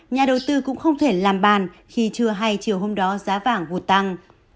nhà đầu tư cũng không thể làm bàn khi chưa hay chiều hôm đó giá vàng vụt tăng